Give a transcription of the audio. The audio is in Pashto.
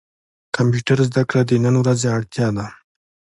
کمپيوټر زده کړه د نن ورځي اړتيا ده.